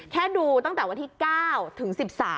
ดูตั้งแต่วันที่๙ถึง๑๓